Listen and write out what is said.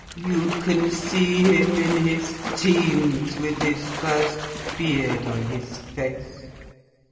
"You can see him in his teens, with his first beard on his face.